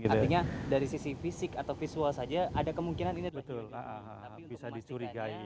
artinya dari sisi fisik atau visual saja ada kemungkinan ini adalah iu iyu yang lain